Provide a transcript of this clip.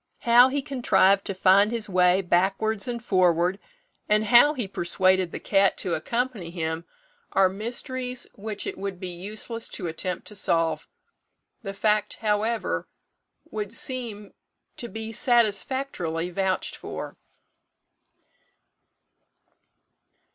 How he contrived to find his way backwards and forward, and how he persuaded the cat to accompany him, are mysteries which it would be useless to attempt to solve. The fact, however, would seem to be satisfactorily vouched for.